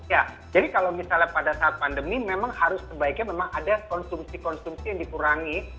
ya jadi kalau misalnya pada saat pandemi memang harus sebaiknya memang ada konsumsi konsumsi yang dikurangi